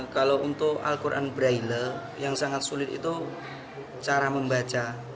kalau untuk al quran braille yang sangat sulit itu cara membaca